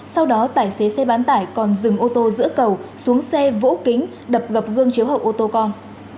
sau đó tài xế xe bán tải còn dừng ô tô giữa cầu xuống xe vỗ kính đập gặp gương chiếu hậu ô tô con